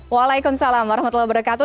waalaikumsalam warahmatullahi wabarakatuh